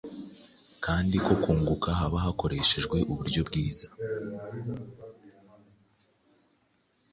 kandi ko kunguka haba hakoreshejwe uburyo bwiza